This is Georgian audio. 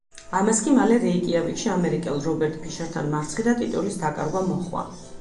ამას კი მალე რეიკიავიკში ამერიკელ რობერტ ფიშერთან მარცხი და ტიტულის დაკარგვა მოჰყვა.